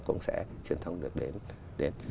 cũng sẽ truyền thông được đến